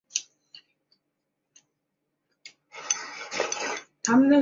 惯性模式。